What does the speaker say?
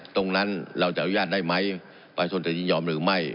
เราจะอนุญาตได้ไหมประชาชนจะยินยอมหรือไม่